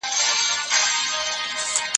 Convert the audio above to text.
شرمګي خلګ د ښځو په منګولو کي لویږي.